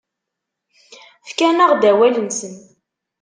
Fkan-aɣ-d awal-nsen.